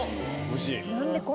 おいしい？